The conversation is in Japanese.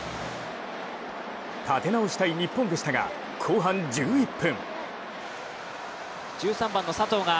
立て直したい日本でしたが、後半１１分。